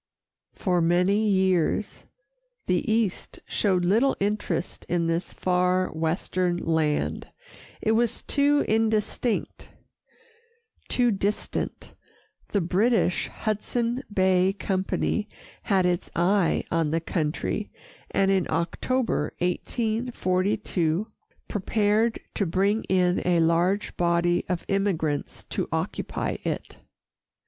For many years, the East showed little interest in this far western land it was too indistinct, too distant. The British Hudson Bay Company had its eye on the country, and in October, 1842, prepared to bring in a large body of immigrants to occupy it.